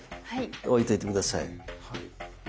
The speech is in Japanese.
置いといて下さい。